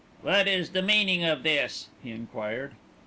"What is the meaning of this?" he enquired.